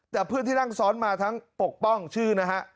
แต่เพื่อนที่นั่งซ้อนมาทั้งปกป้องชื่อนะฮะ